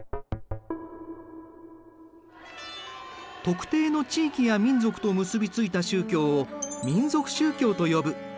特定の地域や民族と結び付いた宗教を民族宗教と呼ぶ。